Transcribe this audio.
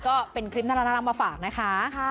ก็เป็นคลิปน่ารักมาฝากนะคะ